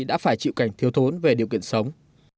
đã phải chịu cảnh thiếu thốn về điều kiện sống